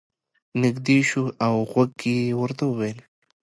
نږدې شو او غوږ کې یې ورته وویل.